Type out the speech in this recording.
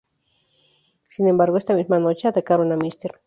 Sin embargo esa misma noche, atacaron a Mr.